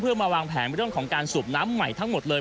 เพื่อมาวางแผนเรื่องของการสูบน้ำใหม่ทั้งหมดเลย